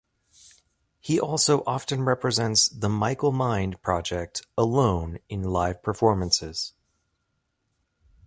He also often represents the Michael Mind Project alone in live performances.